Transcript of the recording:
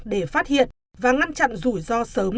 để phát hiện và ngăn chặn rủi ro sớm